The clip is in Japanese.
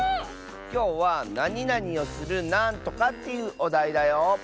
きょうはなになにをするなんとかっていうおだいだよ。